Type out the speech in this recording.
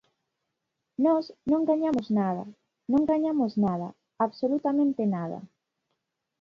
Nós non gañamos nada, non gañamos nada, absolutamente nada.